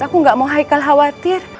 aku gak mau haikal khawatir